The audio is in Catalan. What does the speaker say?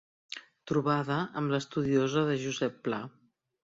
Trobada amb l'estudiosa de Josep Pla.